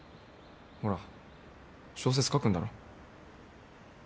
ほら小説書くんだろ？